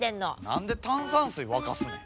何で炭酸水沸かすねん。